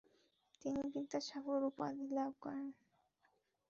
তিনি বিদ্যাসাগর উপাধি লাভ করেন।